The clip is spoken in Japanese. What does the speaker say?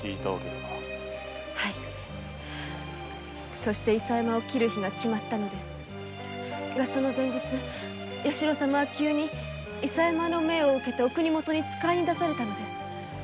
そして伊佐山を切る日が決まったのですがその前日弥四郎様は急に伊佐山の命を受けお国元へ使いに出されたのです。